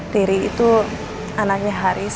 riri itu anaknya haris